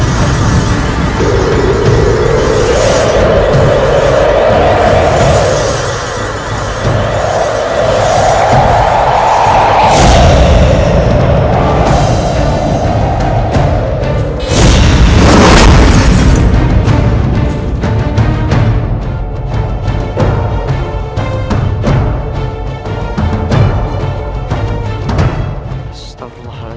hai setengah aja